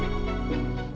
tuhan aku mau nyunggu